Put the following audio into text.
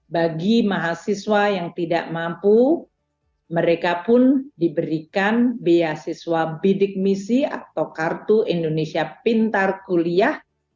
bagi mahasiswa yang tidak mampu mereka pun diberikan beasiswa bidik misi atau kartu indonesia pintar kuliah